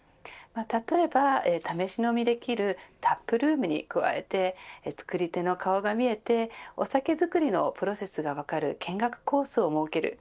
例えば試し飲みできるタップルームに加えて作り手の顔が見えてお酒造りのプロセスが分かる見学コースを設ける。